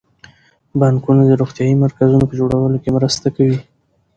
بانکونه د روغتیايي مرکزونو په جوړولو کې مرسته کوي.